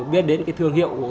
biết đến cái thương hiệu